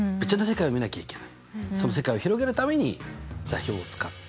その世界を広げるために座標を使った。